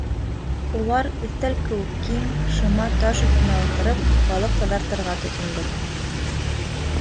Улар, өҫтәл кеүек киң, шыма таш өҫтөнә ултырып, балыҡ таҙартырға тотондо.